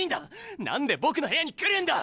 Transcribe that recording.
何で僕の部屋に来るんだ！？